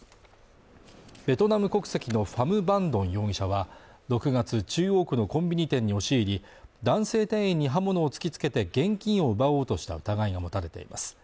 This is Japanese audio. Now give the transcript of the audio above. ベトナム国籍のファム・バン・ドン容疑者は６月中央区のコンビニ店に押し入り男性店員に刃物を突きつけて現金を奪おうとした疑いが持たれています